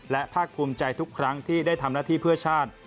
และภาคภูมิใจทุกครั้งที่ได้ทำหน้าที่เพื่อชาติ